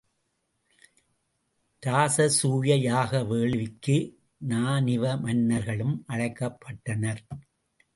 இராசசூய யாக வேள்விக்கு நாணிவ மன்னர்களும் அழைக்கப்பட்டனர்.